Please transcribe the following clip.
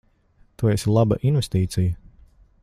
Tu esi laba investīcija.